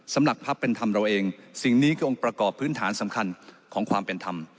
สำหรับภักดิ์เป็นธรรมเราเองสิ่งนี้คือองค์ประกอบพื้นฐานสำคัญของความเป็นธรรม